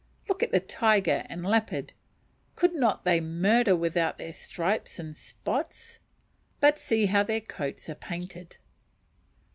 Look at the tiger and leopard! Could not they murder without their stripes and spots? but see how their coats are painted!